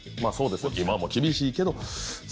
今も厳しいけど。